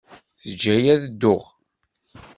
Teǧǧa-iyi ad dduɣ.